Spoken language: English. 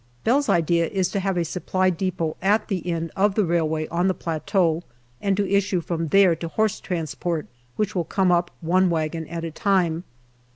Bell's idea is to have a Supply depot at the end of the railway on the plateau, and to issue from there to Horse Transport, which will come up one wagon at a time.